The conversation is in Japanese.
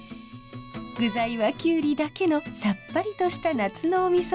具材はキュウリだけのさっぱりとした夏のお味噌汁。